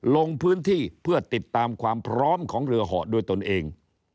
ลงพื้นที่เพื่อติดตามความพร้อมของเรือเหาะด้วยตนเอง